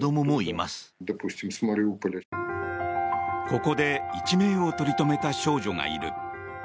ここで一命を取り留めた少女がいる。